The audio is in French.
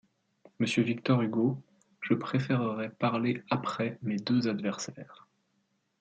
Monsieur victor Hugo : Je préférerais parler après mes deux adversaires.